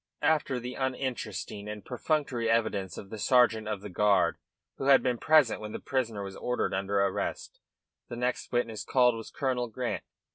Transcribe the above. After the uninteresting and perfunctory evidence of the sergeant of the guard who had been present when the prisoner was ordered under arrest, the next witness called was Colonel Grant.